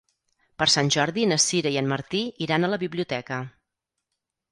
Per Sant Jordi na Sira i en Martí iran a la biblioteca.